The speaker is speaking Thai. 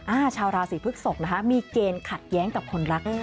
ชาวราศีพฤกษกนะคะมีเกณฑ์ขัดแย้งกับคนรัก